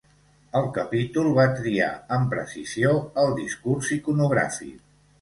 El capítol va triar amb precisió el discurs iconogràfic.